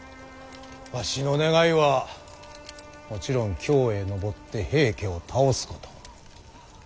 わしの願いはもちろん京へ上って平家を倒すこと。